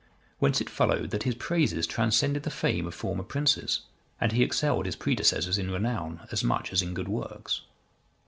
Whence it followed, that his praises transcended the fame of former princes; and he excelled his predecessors in renown as much as in good works.